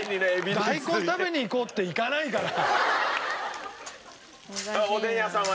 大根食べに行こうって行かないから。